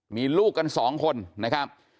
มีลูกกัน๒คนนะครับ